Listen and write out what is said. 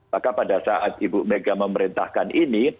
maka pada saat ibu mega memerintahkan ini